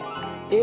え！